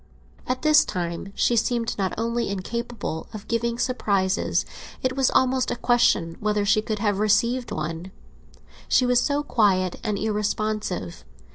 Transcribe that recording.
At this time she seemed not only incapable of giving surprises; it was almost a question whether she could have received one—she was so quiet and irresponsive.